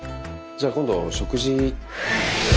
じゃあ今度食事。